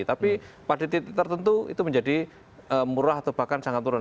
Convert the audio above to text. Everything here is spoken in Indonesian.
tapi pada titik tertentu itu menjadi murah atau bahkan jangan turun